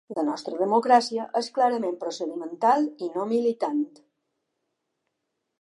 La nostra democràcia és clarament procedimental i no militant.